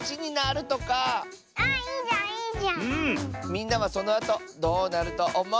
みんなはそのあとどうなるとおもう？